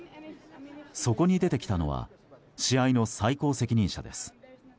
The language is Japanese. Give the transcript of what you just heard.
そこに出てきたのは試合の最高責任者です。